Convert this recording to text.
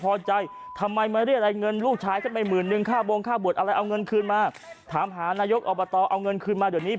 พ่อไหร่ทำไมมาเรียนอะไรเงินลูกชายจ้ะไม่หมื่นหนึ่งค่าโบงค่าบวชอะไรเอาเงินขึ้นมาทำผันนายกอวต๊าเอาเงินขึ้นมาเดี๋ยว